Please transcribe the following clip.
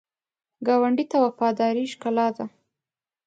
ګاونډي ته وفاداري ښکلا ده